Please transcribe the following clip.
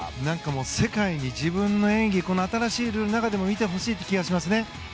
世界に自分の演技をこの新しいルールの中でも見てほしいという気がしますね。